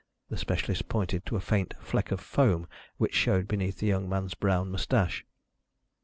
The specialist pointed to a faint fleck of foam which showed beneath the young man's brown moustache.